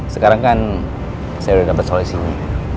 sekarang kan saya udah dapet solusi